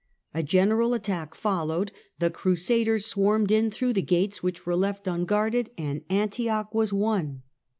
A general attack followed, the Crusaders swarmed in through the gates which were left unguarded, and Antioch was won.